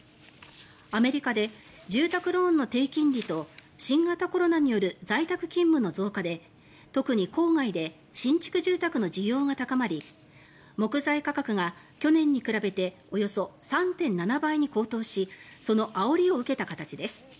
アメリカで住宅ローンの低金利と新型コロナによる在宅勤務の増加で特に郊外で新築住宅の需要が高まり木材価格が去年に比べておよそ３．７倍に高騰しそのあおりを受けた形です。